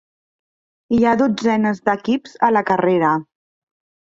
Hi ha dotzenes d'equips a la carrera.